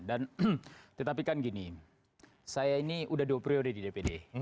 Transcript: dan tetapi kan gini saya ini sudah dua priode di dpd